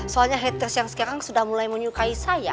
soalnya haters yang sekarang sudah mulai menyukai saya